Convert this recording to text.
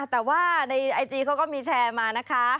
แต่ว่าในไอจีเขาก็มีแชร์มานะคะ